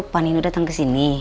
paninu datang kesini